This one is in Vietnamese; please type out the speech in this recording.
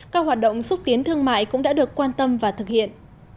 các hoạt động xúc tiến thương mại cũng đã được quan tâm và thực hiện